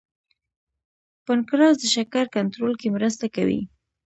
پنکراس د شکر کنټرول کې مرسته کوي